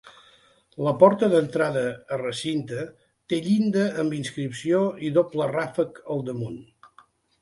La porta d'entrada a recinte té llinda amb inscripció i doble ràfec al damunt.